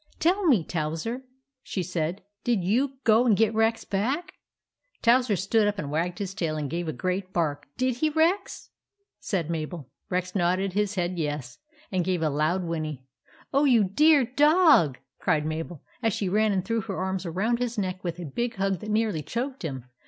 " Tell me, Towser," she said, " did you go and get Rex back ?" Towser stood up and wagged his tail, and gave a great bark. " Did he, Rex ?" said Mabel. Rex nodded his head yes, and gave a loud whinny. " Oh, you dear dog !" cried Mabel, as she ran and threw her arms around his neck with a big hug that nearly choked him.